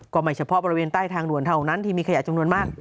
ไม่เฉพาะบริเวณใต้ทางด่วนเท่านั้นที่มีขยะจำนวนมาก